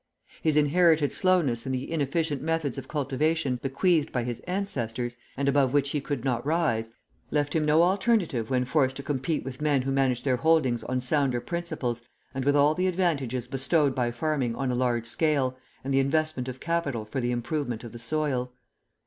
His inherited slowness and the inefficient methods of cultivation bequeathed by his ancestors, and above which he could not rise, left him no alternative when forced to compete with men who managed their holdings on sounder principles and with all the advantages bestowed by farming on a large scale and the investment of capital for the improvement of the soil.